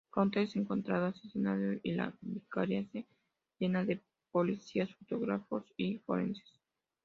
Pronto es encontrado asesinado y la vicaría se llena de policías, fotógrafos y forenses.